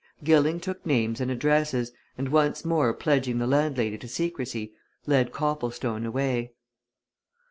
Gilling took names and addresses and once more pledging the landlady to secrecy, led Copplestone away.